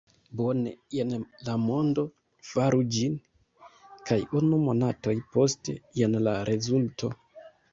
Bone, jen la mondo, faru ĝin! kaj unu monaton poste, jen la rezulto!